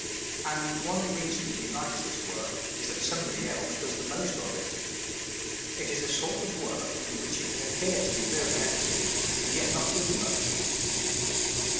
And one reason he likes this work is that somebody else does the most of it. It is a sort of work in which he can appear to be very active, and yet not do much.